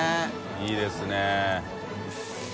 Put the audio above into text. いいですね。